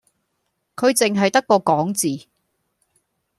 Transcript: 佢淨係得個講字